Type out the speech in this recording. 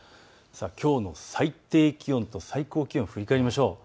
きょうの最低気温と最高気温を振り返りましょう。